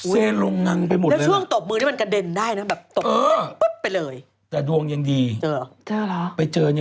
เห็นลงงังไปหมดเลย